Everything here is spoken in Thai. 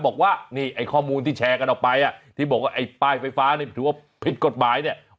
บอกว่านี่ไอ้ข้อมูลที่แชร์กันออกไปอ่ะที่บอกว่าไอ้ป้ายไฟฟ้านี่ถือว่าผิดกฎหมายเนี่ย